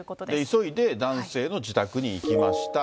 急いで男性の自宅に行きました。